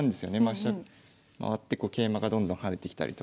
飛車回って桂馬がどんどん跳ねてきたりとか。